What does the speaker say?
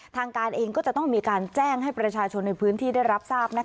ทางการเองก็จะต้องมีการแจ้งให้ประชาชนในพื้นที่ได้รับทราบ